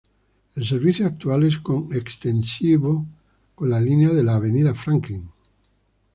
El servicio actual es co-extensivo con la línea de la Avenida Franklin.